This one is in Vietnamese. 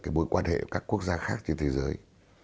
cái mối quan hệ của các quốc gia khác trên thế giới